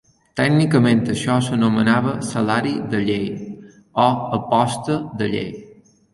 Tècnicament això s'anomenava "salari de llei" o "aposta de llei".